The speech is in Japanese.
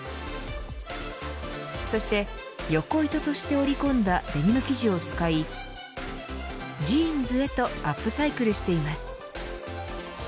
そして横糸として織り込んだデニム生地を使いジーンズへとアップサイクルしています。